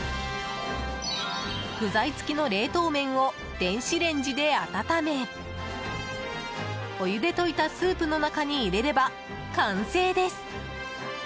具材付きの冷凍麺を電子レンジで温めお湯で溶いたスープの中に入れれば完成です。